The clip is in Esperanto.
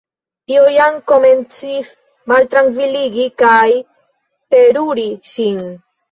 Tio jam komencis maltrankviligi kaj teruri ŝin.